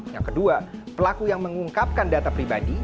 yang kedua pelaku yang mengungkapkan data pribadi